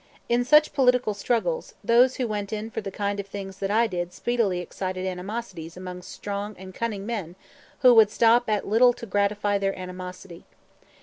In such political struggles, those who went in for the kind of thing that I did speedily excited animosities among strong and cunning men who would stop at little to gratify their animosity.